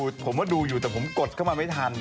คือผมว่าดูอยู่แต่ผมกดเข้ามาไม่ทัน